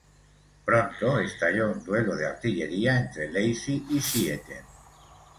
Pronto, estalló un duelo de artillería entre Lacy y Zieten.